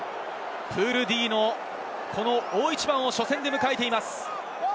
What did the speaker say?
プールＤの大一番を初戦で迎えています。